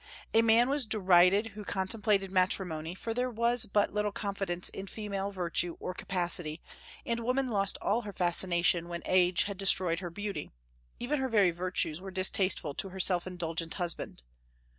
A man was derided who contemplated matrimony, for there was but little confidence in female virtue or capacity, and woman lost all her fascination when age had destroyed her beauty; even her very virtues were distasteful to her self indulgent husband.